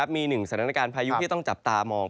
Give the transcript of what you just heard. มีหนึ่งสถานการณ์พายุที่ต้องจับตามอง